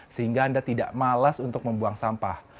sehingga anda tidak malas untuk membuang sampah